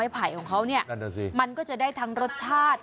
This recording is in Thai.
ไผ่ของเขาเนี่ยสิมันก็จะได้ทั้งรสชาติ